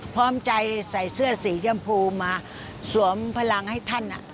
พร้อมใจใส่เสื้อสีชมพูมาสวมพลังให้ท่าน